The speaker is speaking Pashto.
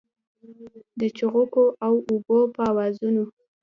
د چوغکو او اوبو په آوازونو